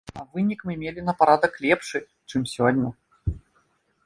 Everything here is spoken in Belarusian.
А вынік мы мелі на парадак лепшы, чым сёння.